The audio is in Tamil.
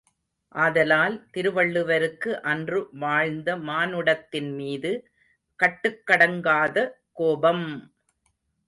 ஆதலால், திருவள்ளுவருக்கு அன்று வாழ்ந்த மானுடத்தின்மீது கட்டுக் கடங்காத கோபம்!